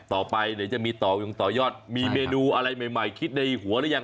ต่อไปเดี๋ยวจะมีต่อวงต่อยอดมีเมนูอะไรใหม่คิดในหัวหรือยัง